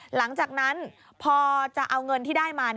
หลังจากนั้นพอจะเอาเงินที่ได้มา